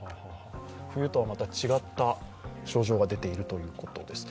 冬とはまた違った症状が出ているということです。